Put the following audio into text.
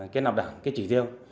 kết nạp đảng cái chỉ tiêu